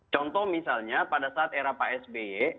contoh misalnya pada saat era pak sby